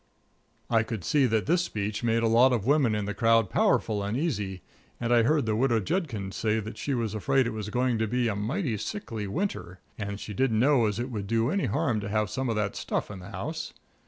I could see that this speech made a lot of women in the crowd powerful uneasy, and I heard the Widow Judkins say that she was afraid it was going to be "a mighty sickly winter," and she didn't know as it would do any harm to have some of that stuff in the house.